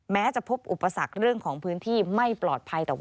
แม้จะพบอุปสรรคเรื่องของพื้นที่ไม่ปลอดภัย